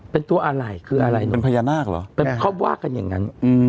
เป็นตัวอะไรหรอเป็นภายนาคครับเป็นที่พบว่ากันอย่างงั้น